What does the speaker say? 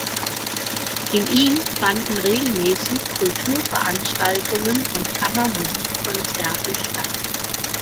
In ihm fanden regelmäßig Kulturveranstaltungen und Kammermusikkonzerte statt.